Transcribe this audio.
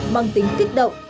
mang tính kích động